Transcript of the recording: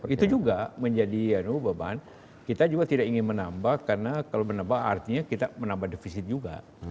itu juga menjadi beban kita juga tidak ingin menambah karena kalau menambah artinya kita menambah defisit juga